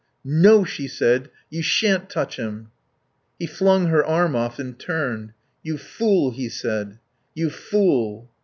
No," she said. "You shan't touch him." He flung her arm off and turned. "You fool," he said. "You fool."